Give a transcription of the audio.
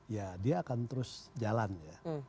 ya dia akan terus jalan ya